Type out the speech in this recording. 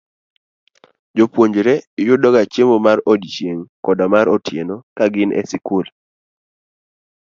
Jopuonjre yudoga chiemo mar odiechieng' koda mar otieno ka gin e skul.